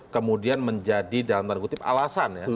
kemudian menjadi dalam tanda kutip alasan ya